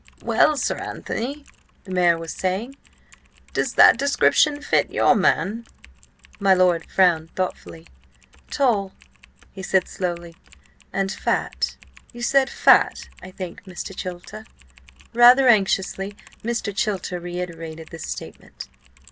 "Well, Sir Anthony?" the mayor was saying. "Does that description fit your man?" My lord frowned thoughtfully. "Tall," he said slowly, "and fat–you said fat, I think, Mr. Chilter?" Rather anxiously Mr. Chilter reiterated this statement.